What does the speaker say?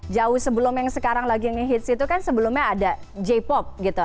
jauh sebelum yang sekarang lagi nge hits itu kan sebelumnya ada j pop gitu